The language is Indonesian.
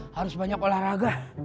harus banyak olahraga